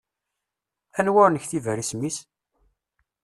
Anwa ur nektib ara isem-is?